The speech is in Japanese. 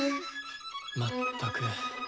まったく。